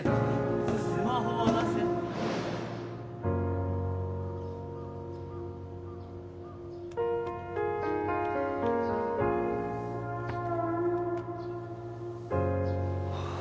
・スマホを出せってはあ